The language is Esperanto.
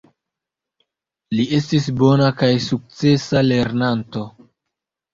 Li estis bona kaj sukcesa lernanto.